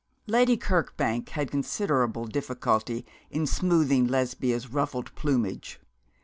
Lady Kirkbank had considerable difficulty in smoothing Lesbia's ruffled plumage.